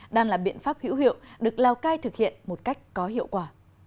đang là biện pháp hữu hiệu được lào cai thực hiện một cách có hiệu quả